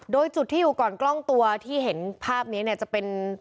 โดยจุดที่อยู่ก่อนกล้องตัวที่เห็นภาพนี้เนี่ยจะเป็น